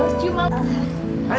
sekarang tinggal papa aja